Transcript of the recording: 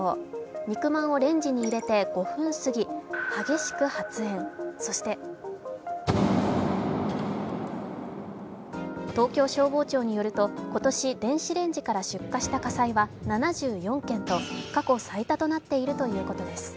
肉まんをレンジに入れて５分過ぎ、激しく発煙、そして東京消防庁によると、今年、電子レンジから出火した火災は７４件と過去最多となっているということです。